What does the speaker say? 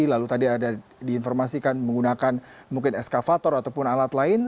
lalu tadi ada diinformasikan menggunakan mungkin eskavator ataupun alat lain